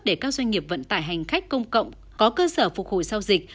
để các doanh nghiệp vận tải hành khách công cộng có cơ sở phục hồi sau dịch